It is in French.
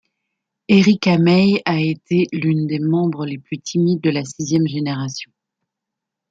Eri Kamei a été l'une des membres les plus timides de la sixième génération.